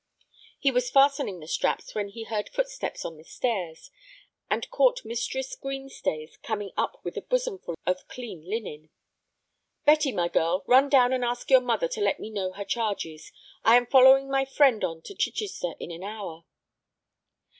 He was fastening the straps when he heard footsteps on the stairs, and caught Mistress Green Stays coming up with a bosomful of clean linen. "Betty, my girl, run down and ask your mother to let me know her charges. I am following my friend on to Chichester in an hour."